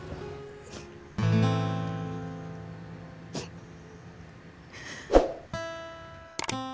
ini sudah rp tujuh satu bilion